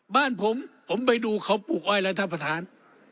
บ้านผมผมไปดูเขาปลูกอ้อยแล้วท่านประธาน